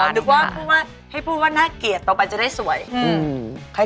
หรือว่าให้พูดว่าน่าเกลียดต่อไปจะได้สวย